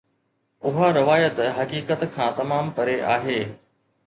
اها روايت حقيقت کان تمام پري آهي.